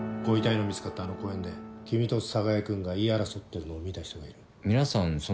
ご遺体の見つかったあの公園で君と寒河江君が言い争ってるのを見た人がいる。